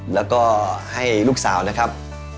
แล้วก็ให้ลูกสาวนะครับ